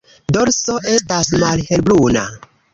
Dorso estas malhelbruna.